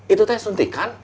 itu teh suntikan